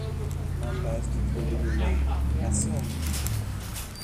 Impasse du Clos des Daulands à Sorgues